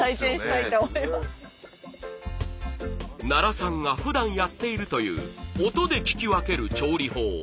奈良さんがふだんやっているという音で聞き分ける調理法。